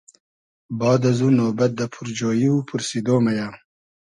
باد ازو نوبئد دۂ پورجویی و پورسیدۉ مئیۂ